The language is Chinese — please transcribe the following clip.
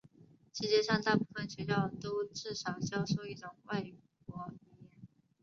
世界上大部分学校都至少教授一种外国语言。